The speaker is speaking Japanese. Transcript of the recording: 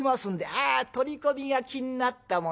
「ああ取り込みが気になったもんで。